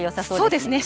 そうですね。